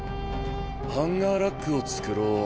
ハンガーラックを作ろう。